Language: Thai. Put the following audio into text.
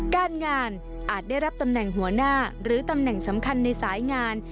การงานอาจได้รับตำแหน่งหัวหน้าหรือตำแหน่งสำคัญในสายงาน